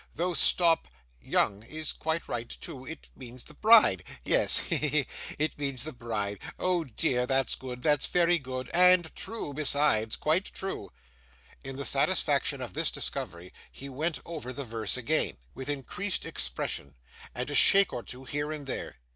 Though stop young is quite right too it means the bride yes. He, he, he! It means the bride. Oh dear, that's good. That's very good. And true besides, quite true!' In the satisfaction of this discovery, he went over the verse again, with increased expression, and a shake or two here and there.